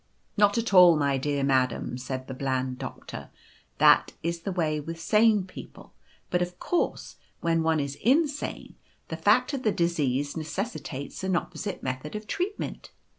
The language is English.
Ui Not at all, my dear madam,' said the bland Doctor, ' that is the way with sane people ; but, of course, when one is insane, the fact of the disease necessitates an oppo site method of treatment.'